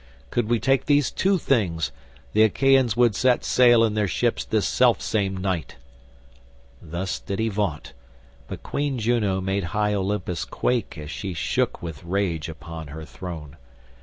Could we take these two things, the Achaeans would set sail in their ships this self same night." Thus did he vaunt, but Queen Juno made high Olympus quake as she shook with rage upon her throne.